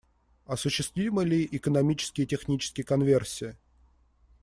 Осуществима ли экономически и технически конверсия?